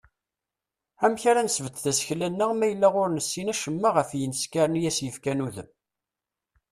Amek ara nesbedd tasekla-nneɣ ma yella ur nessin acemma ɣef yimeskaren i as-yefkan udem?